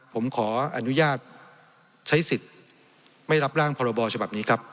ผมขออนุญาตใช้สิทธิ์ไม่รับร่างพรบฉบับนี้ครับ